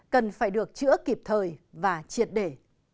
cần phải được chữa kịp thời và triệt để